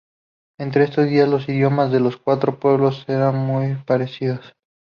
En estos días los idiomas de los cuatro pueblos eran muy parecidos.